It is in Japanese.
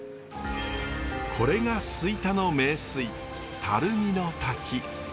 これが吹田の名水垂水の滝。